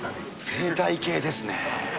生態系ですね。